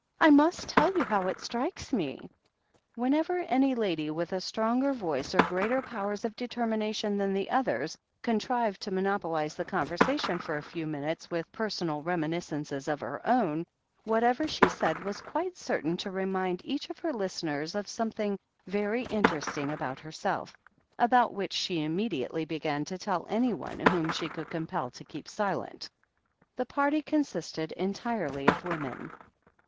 I must tell you how it strikes me. ..." Whenever any lady with a stronger voice or greater powers of determination than the others contrived to monopolize the conversation for a few minutes with personal reminiscences of her own, whatever she said was quite certain to remind each of her listeners of something very interesting about herself, about which she immediately began to tell anyone whom she could compel to keep silent. TTie party consisted entirely of women.